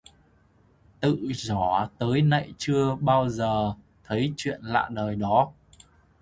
Tự dỏ tới nậy chưa bao giờ thấy chuyện lạ đời đó